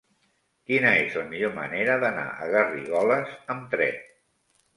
Quina és la millor manera d'anar a Garrigoles amb tren?